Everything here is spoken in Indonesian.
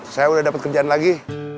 saya udah dapat kerjaan lagi